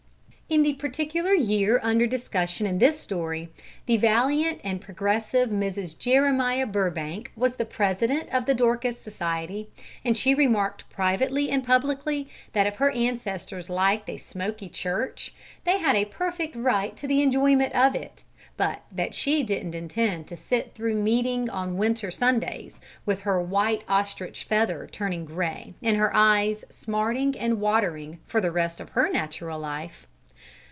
In the particular year under discussion in this story, the valiant and progressive Mrs. Jeremiah Burbank was the president of the Dorcas Society, and she remarked privately and publicly that if her ancestors liked a smoky church, they had a perfect right to the enjoyment of it, but that she didn't intend to sit through meeting on winter Sundays, with her white ostrich feather turning grey and her eyes smarting and watering, for the rest of her natural life.